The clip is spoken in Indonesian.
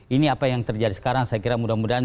ini apa yang terjadi sekarang saya kira mudah mudahan